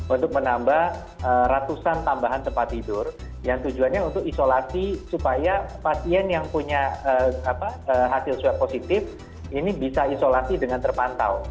untuk menambah ratusan tambahan tempat tidur yang tujuannya untuk isolasi supaya pasien yang punya hasil swab positif ini bisa isolasi dengan terpantau